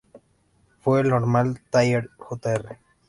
Fue el Norman Thayer Jr.